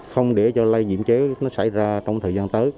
không để cho lây nhiễm chéo nó xảy ra trong thời gian tới